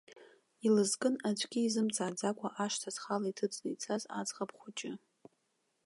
Илызкын аӡәгьы изымҵааӡакәа ашҭа зхала иҭыҵны ицаз аӡӷаб хәыҷы.